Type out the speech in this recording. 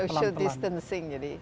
social distancing jadi